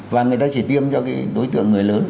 và người ta chỉ tiêm cho cái đối tượng người lớn